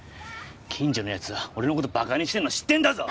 近所の奴は俺の事馬鹿にしてんの知ってんだぞ！